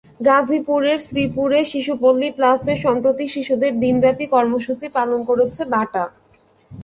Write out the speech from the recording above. গাজীপুরের শ্রীপুরে শিশুপল্লী প্লাসে সম্প্রতি শিশুদের নিয়ে দিনব্যাপী কর্মসূচি পালন করেছে বাটা।